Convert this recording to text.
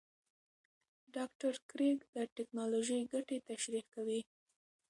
ډاکټر کریګ د ټېکنالوژۍ ګټې تشریح کوي.